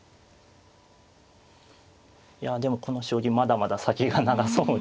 いやでもこの将棋まだまだ先が長そうですので。